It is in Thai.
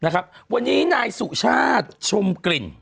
๑๒กว่านี้นายสุชาธิ์ชมกลิ่น